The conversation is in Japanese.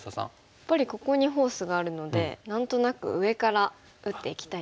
やっぱりここにフォースがあるので何となく上から打っていきたいですね。